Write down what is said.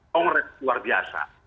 kongres luar biasa